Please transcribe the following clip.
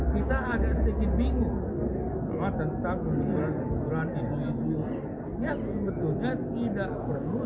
kita agak sedikit bingung tentang menurut berarti itu yang sebetulnya tidak berusaha